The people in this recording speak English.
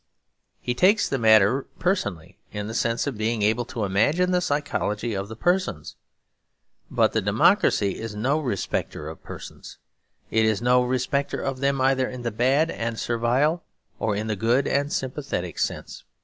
He takes the matter personally, in the sense of being able to imagine the psychology of the persons. But democracy is no respecter of persons. It is no respecter of them, either in the bad and servile or in the good and sympathetic sense.